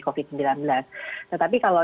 covid sembilan belas tetapi kalau